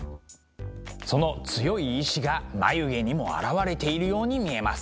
その強い意志が眉毛にも表れているように見えます。